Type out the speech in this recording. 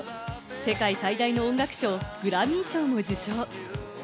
世界最大の音楽賞・グラミー賞も受賞。